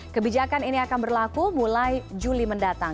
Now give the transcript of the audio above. kebijakan ini akan berlaku mulai juli mendatang